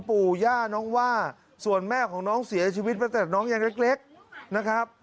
ปู่ย่าน้องว่าส่วนแม่ของน้องเสียชีวิตมาตั้งแต่น้องยังเล็กนะครับ